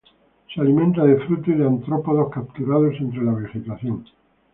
Se alimenta de frutos y de artrópodos capturados entre la vegetación.